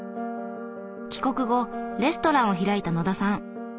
帰国後レストランを開いた野田さん。